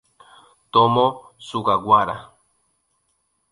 Tomo Sugawara